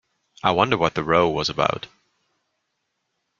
I wonder what the row was about.